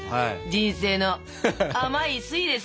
人生の甘い酸いですよ！